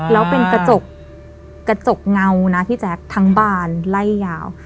แล้วเป็นกระจกเงานะพี่แจ๊คทั้งบานไล่ยาว